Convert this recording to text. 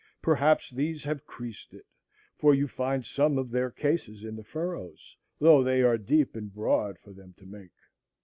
Perhaps these have creased it, for you find some of their cases in the furrows, though they are deep and broad for them to make.